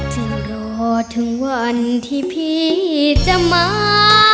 จึงรอถึงวันที่พี่จะมา